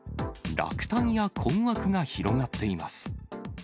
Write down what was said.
落胆や困惑が広がっています。